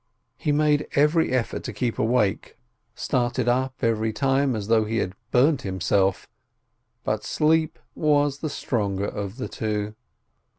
He made every effort to keep awake, started up every YOM KIPPUR 199 time as though he had burnt himself, but sleep was the stronger of the two.